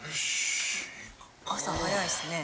朝早いですね。